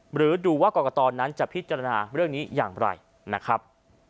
หรือดูว่ากรกตนั้นจะพิจารณาเรื่องนี้อย่างไรนะครับ